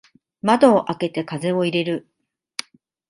窓を開けて風を入れる。